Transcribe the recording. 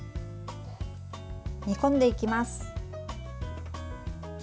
煮込んでいきます。